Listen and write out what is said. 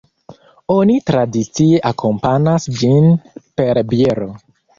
Oni tradicie akompanas ĝin per biero.